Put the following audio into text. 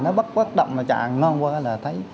nó bắt quá đậm là chạm nó qua là thấy